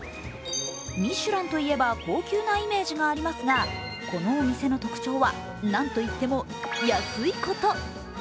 ミシュランといえば高級なイメージがありますがこのお店の特徴は、何といっても安いこと。